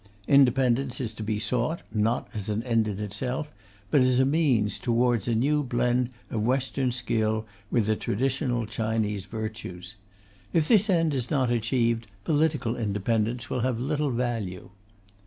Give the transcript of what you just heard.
Independence is to be sought, not as an end in itself, but as a means towards a new blend of Western skill with the traditional Chinese virtues. If this end is not achieved, political independence will have little value.